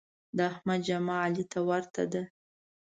د احمد جامه علي ته ورته ده.